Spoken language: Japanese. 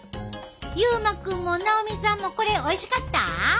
優真くんも菜央美さんもこれおいしかった？